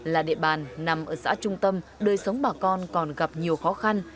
là địa bàn nằm ở xã trung tâm đời sống bà con còn gặp nhiều khó khăn